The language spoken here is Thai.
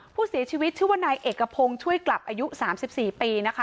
ผู้เสียชีวิตชื่อว่านายเอกพงช่วยกลับอายุสามสิบสี่ปีนะคะ